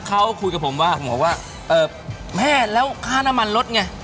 เขาคุยกับผมว่าผมบอกว่าเอ่อแม่แล้วค่าน้ำมันลดไง